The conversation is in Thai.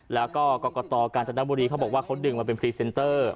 แล้วก็กรกตกาญจนบุรีเขาบอกว่าเขาดึงมาเป็นพรีเซนเตอร์